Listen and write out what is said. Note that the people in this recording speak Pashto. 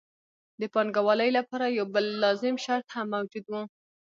د پانګوالۍ لپاره یو بل لازم شرط هم موجود وو